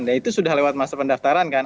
nah itu sudah lewat masa pendaftaran kan